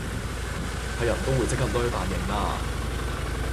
係人都會即刻 𦧲 飯應啦